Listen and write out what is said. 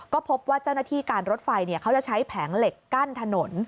ก็พบว่าเจ้าหน้าที่การรถไฟเขาจะใช้แผงเหล็กกั้นถนน